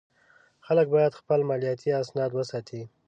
خلک باید خپل مالیاتي اسناد وساتي.